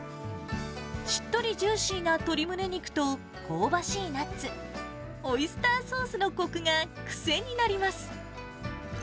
しっとりジューシーな鶏むね肉と香ばしいナッツ、オイスターソースのこくが癖になります。